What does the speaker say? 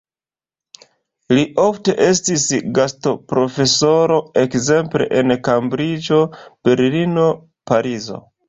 Li ofte estis gastoprofesoro ekzemple en Kembriĝo, Berlino, Parizo.